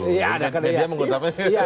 iya ada kader demokrat